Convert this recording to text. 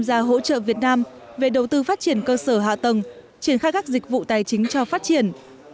gia hỗ trợ việt nam về đầu tư phát triển cơ sở hạ tầng triển khai các dịch vụ tài chính cho phát triển